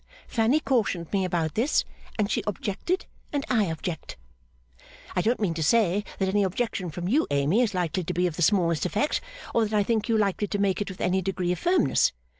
Fanny cautioned me about this, and she objected, and I object." I don't mean to say that any objection from you, Amy, is likely to be of the smallest effect, or that I think you likely to make it with any degree of firmness.